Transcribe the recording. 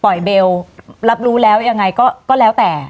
ปล่อยเบลย์รับรู้แล้วยังไงก็แล้วแต่